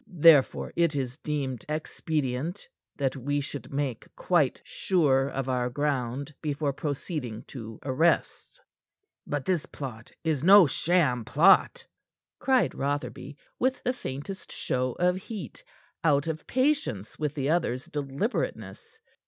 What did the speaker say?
Therefore, it is deemed expedient that we should make quite sure of our ground before proceeding to arrests." "But this plot is no sham plot," cried Rotherby, with the faintest show of heat, out of patience with the other's deliberateness.